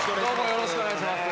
よろしくお願いします。